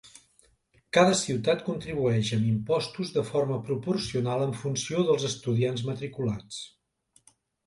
Cada ciutat contribueix amb impostos de forma proporcional en funció dels estudiants matriculats.